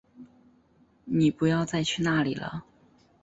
妳不要再去那里了